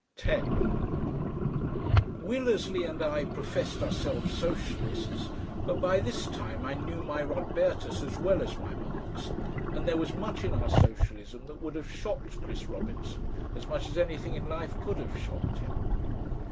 10 Willersley and I professed ourselves Socialists, but by this time I knew my Rodbertus as well as my Marx, and there was much in our socialism that would have shocked Chris Robinson as much as anything in life could have shocked him.